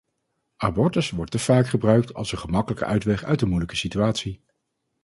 Abortus wordt te vaak gebruikt als een gemakkelijke uitweg uit een moeilijke situatie.